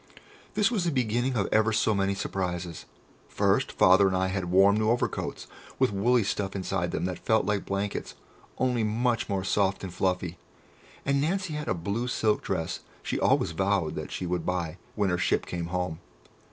This was the beginning of ever so many surprises. First, Father and I had warm new overcoats, with woolly stuff inside them that felt like blankets, only much more soft and fluffy, and Nancy had the blue silk dress she always vowed that she should buy when her ship came home.